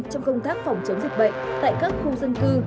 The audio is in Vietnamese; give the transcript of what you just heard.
trong công tác phòng chống dịch bệnh tại các khu dân cư